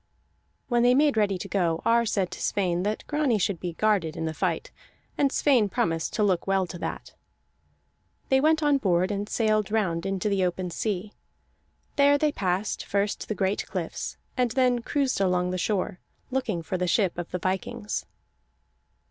When they made ready to go, Ar said to Sweyn that Grani should be guarded in the fight, and Sweyn promised to look well to that. They went on board and sailed round into the open sea; there they passed first the great cliffs, and then cruised along the shore, looking for the ship of the vikings.